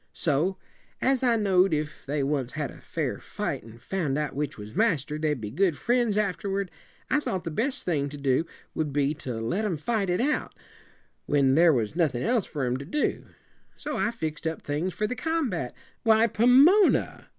So, as I know'd if they once had a fair fight and found out which was master, they'd be good friends afterward, I thought the best thing to do would be to let 'em fight it out, when there was nothin' else for 'em to do. So I fixed up things for the combat." "Why, Pomona!"